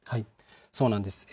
そうなんです。